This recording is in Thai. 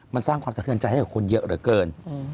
มันสร้างความสะเทือนใจให้กับคนเยอะเหลือเกิน